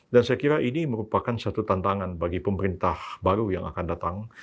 dan saya kira ini merupakan satu tantangan bagi pemerintah baru yang akan datang